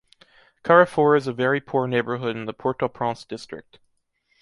Carrefour is a very poor neighborhood in the Port-au-Prince district.